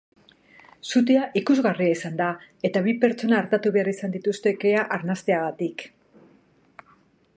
Sutea ikusgarria izan da eta bi pertsona artatu behar izan dituzte kea arnasteagatik.